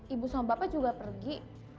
ibu sama bapak juga pergi